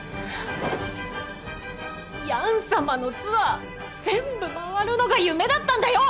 ヤン様のツアー全部回るのが夢だったんだよ！